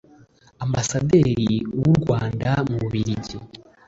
Ambasaderi w’u Rwanda mu Bubiligi